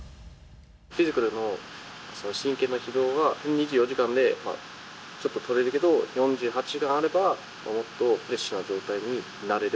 フィジカルの神経の疲労は、２４時間でちょっと取れるけど、４８時間あれば、もっとフレッシュな状態になれる。